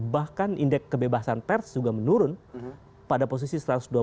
bahkan indeks kebebasan pers juga menurun pada posisi satu ratus dua puluh